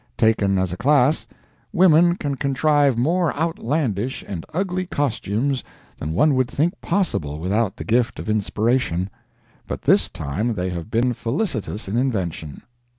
Taken as a class, women can contrive more outlandish and ugly costumes than one would think possible without the gift of inspiration. But this time they have been felicitous in invention.